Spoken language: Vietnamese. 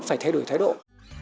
phải thay đổi thay đổi